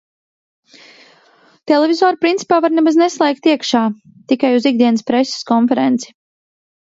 Televizoru principā var nemaz neslēgt iekšā, tikai uz ikdienas preses konferenci.